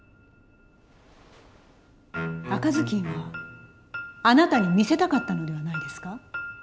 赤ずきんはあなたに見せたかったのではないですか？